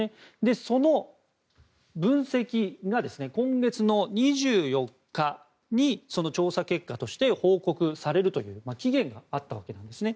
その分析が今月の２４日に調査結果として報告されるという期限があったわけなんですね。